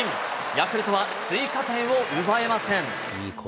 ヤクルトは追加点を奪えません。